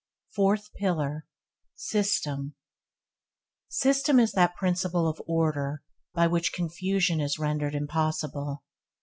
5. Fourth pillar – System System is that principle of order by which confusion is rendered impossible.